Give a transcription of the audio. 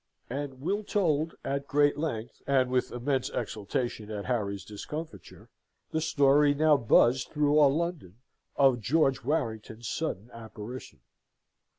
And Will told, at great length, and with immense exultation at Harry's discomfiture, the story now buzzed through all London, of George Warrington's sudden apparition.